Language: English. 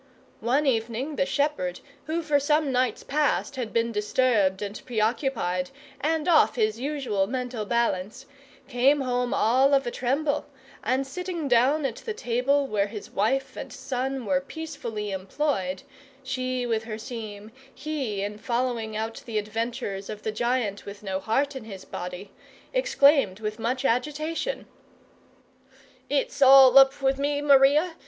One evening the shepherd, who for some nights past had been disturbed and preoccupied, and off his usual mental balance, came home all of a tremble, and, sitting down at the table where his wife and son were peacefully employed, she with her seam, he in following out the adventures of the Giant with no Heart in his Body, exclaimed with much agitation: "It's all up with me, Maria!